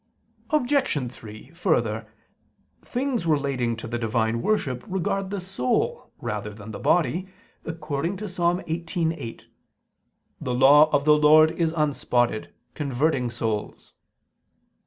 Obj. 3: Further, things relating to the divine worship regard the soul rather than the body, according to Ps. 18:8: "The Law of the Lord is unspotted, converting souls."